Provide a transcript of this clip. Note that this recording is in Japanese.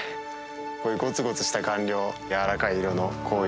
こういうゴツゴツした岩稜やわらかい色の紅葉